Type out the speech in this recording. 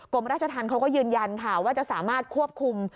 กรมราชธรรมเขาก็ยืนยันค่ะว่าจะสามารถควบคุม